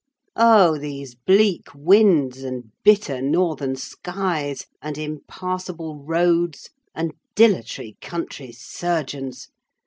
Oh, these bleak winds and bitter northern skies, and impassable roads, and dilatory country surgeons!